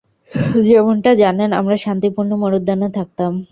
যেমনটা জানেন, আমরা শান্তিপূর্ণ মরুদ্যানে থাকতাম।